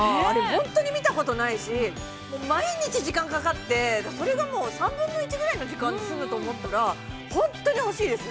本当に見たことないし毎日、時間かかってそれがもう３分の１ぐらいの時間で済むと思ったら本当に欲しいです。